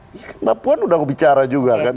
ya kan pak puan udah bicara juga kan